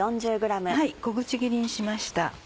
小口切りにしました。